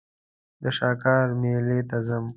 د شاکار مېلې ته ځم.